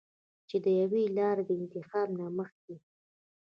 چې د يوې لارې د انتخاب نه مخکښې